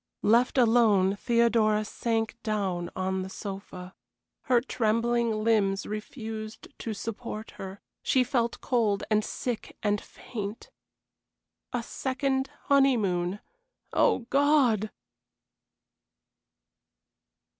Left alone Theodora sank down on the sofa. Her trembling limbs refused to support her; she felt cold and sick and faint. A second honeymoon. Oh, God!